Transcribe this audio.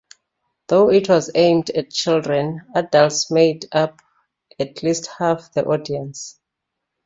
Though it was aimed at children, adults made up at least half the audience.